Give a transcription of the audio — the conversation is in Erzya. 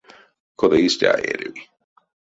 Кода истя а эряви?